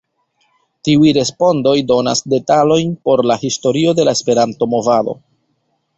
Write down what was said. Tiuj respondoj donas detalojn por la historio de la Esperanto-movado.